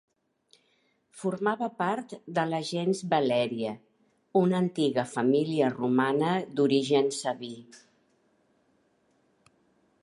Formava part de la gens Valèria, una antiga família romana d'origen sabí.